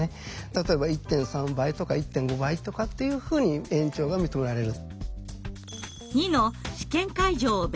例えば１．３倍とか１．５倍とかっていうふうに延長が認められる。